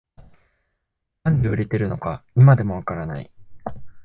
なんで売れてるのか今でもわからない